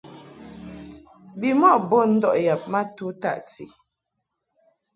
Bimɔʼ bun ndɔʼ yab ma tu taʼti.